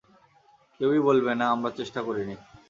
কেউই বলবে না আমরা চেষ্টা করিনি।